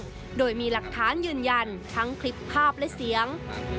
ส่วนเกี่ยวข้องโดยมีหลักฐานยืนยันทั้งคลิปภาพและเสียง